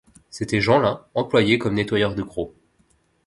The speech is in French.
C’était Jeanlin, employé comme « nettoyeur de gros ».